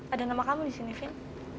ada nama kamu di sini vin